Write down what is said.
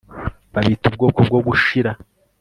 babita ubwoko bwo gushira